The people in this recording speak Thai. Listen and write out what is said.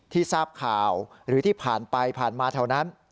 ทราบข่าวหรือที่ผ่านไปผ่านมาแถวนั้น